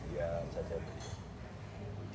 ya saya jatuh